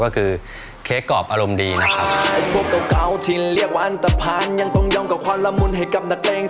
ก็คือเค้กกรอบอารมณ์ดีนะครับ